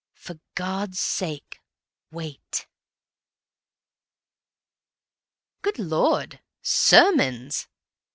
For God's sake, wait. "Good Lord! Sermons!"